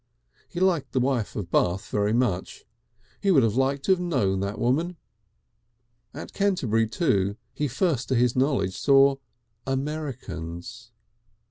He liked the Wife of Bath very much. He would have liked to have known that woman. At Canterbury, too, he first to his knowledge saw Americans.